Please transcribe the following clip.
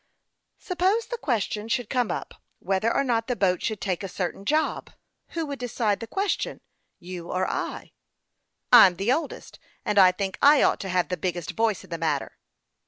" Suppose the question should come up, whether or not the boat should take a certain job ; who would decide the question you or I ?"" I'm the oldest, and I think I ought to have the biggest voice in the matter."